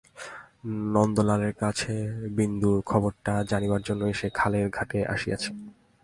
নন্দলালের কাছে বিন্দুর খবরটা জানিবার জন্যই সে খালের ঘাটে আসিয়াছে।